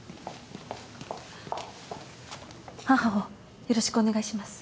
母をよろしくお願いします。